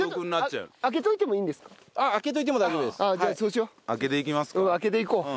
うん開けていこう。